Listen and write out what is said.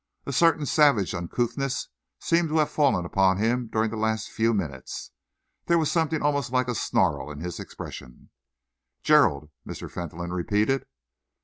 A certain savage uncouthness seemed to have fallen upon him during the last few minutes. There was something almost like a snarl in his expression. "Gerald!" Mr. Fentolin repeated.